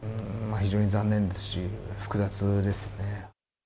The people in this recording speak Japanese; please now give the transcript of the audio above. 非常に残念ですし、複雑ですよね。